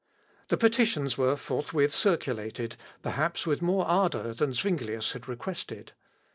The petitions were forthwith circulated, perhaps with more ardour than Zuinglius had requested.